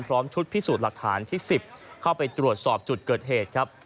พร้อมชุดพิสูจน์หลักฐานที่๑๐เข้าไปตรวจสอบจุดเกิดเหตุครับ